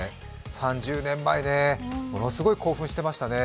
３０年前ね、ものすごい興奮してましたね。